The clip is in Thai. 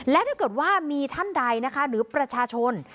และถ้าเกิดว่ามีท่านใดนะคะหรือประชาชน